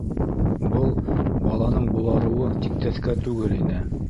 Был баланың боларыуы тиктәҫкә түгел ине.